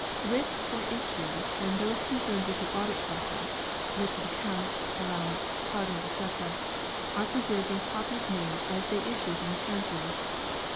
Writs for Issues and those concerned with the audit process, (writs of account, allowance, pardon, etc.), are pre served in copies made as they issue from the Chancery